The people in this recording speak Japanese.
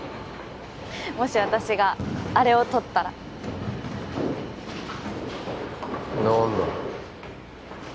もし私があれを取ったら何だ？